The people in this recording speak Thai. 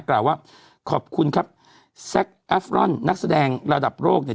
กล่าวว่าขอบคุณครับแซคอัฟรอนนักแสดงระดับโลกเนี่ย